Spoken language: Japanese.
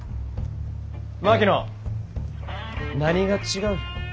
槙野何が違う？